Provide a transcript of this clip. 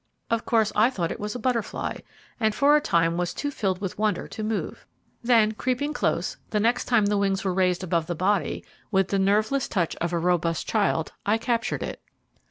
Of course I thought it was a butterfly, and for a time was too filled with wonder to move. Then creeping close, the next time the wings were raised above its body, with the nerveless touch of a robust child I captured it.